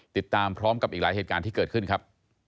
ติดตามพร้อมกับอีกหลายเหตุการณ์ที่เกิดขึ้นครับ